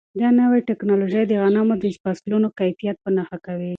دا نوې ټیکنالوژي د غنمو د فصلونو کیفیت په نښه کوي.